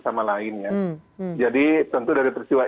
sama lainnya jadi tentu dari peristiwa